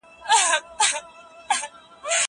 زه له سهاره کښېناستل کوم!.